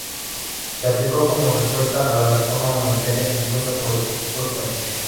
Se aplicó como respuesta a la reforma monetaria impuesta por estos países.